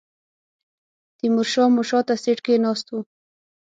تیمور شاه مو شاته سیټ کې ناست و.